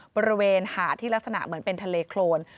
บริเวณหาดที่ลักษณะเหมือนเป็นทะเลโครน